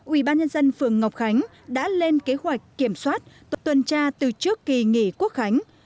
ubnd phường ngọc khánh đã lên kế hoạch kiểm soát tuần tra từ trước kỳ nghỉ quốc khánh